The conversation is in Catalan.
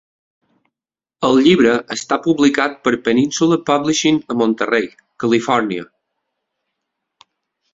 El llibre està publicat per Peninsula Publishing a Monterey, Califòrnia.